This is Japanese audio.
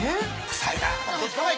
臭いなぁ。